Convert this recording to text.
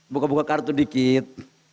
buka buka kartu dikit